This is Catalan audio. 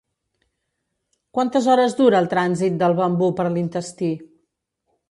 Quantes hores dura el trànsit del bambú per l'intestí?